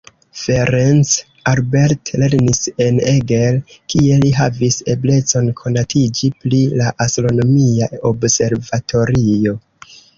Ferenc Albert lernis en Eger, kie li havis eblecon konatiĝi pri la astronomia observatorio.